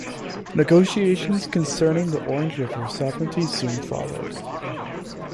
Negotiations concerning the Orange River Sovereignty soon followed.